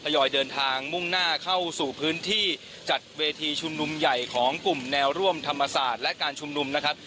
ยอยเดินทางมุ่งหน้าเข้าสู่พื้นที่จัดเวทีชุมนุมใหญ่ของกลุ่มแนวร่วมธรรมศาสตร์และการชุมนุมนะครับ